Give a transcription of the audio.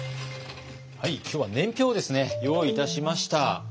今日は年表をですね用意いたしました。